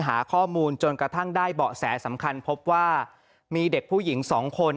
หาข้อมูลจนกระทั่งได้เบาะแสสำคัญพบว่ามีเด็กผู้หญิงสองคน